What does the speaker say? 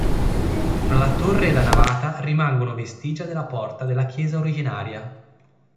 Tra la torre e la navata rimangono vestigia della porta della chiesa originaria.